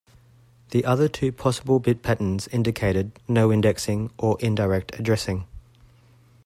The other two possible bit patterns indicated no indexing, or indirect addressing.